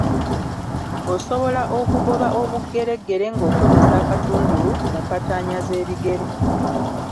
Osobola okugoba obugereggere ng'okozesa akatungulu mu mpataanya z'ebigere.